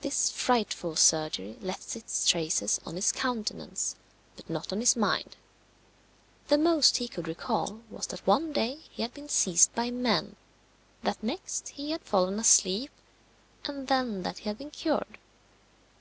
This frightful surgery left its traces on his countenance, but not on his mind. The most he could recall was that one day he had been seized by men, that next he had fallen asleep, and then that he had been cured.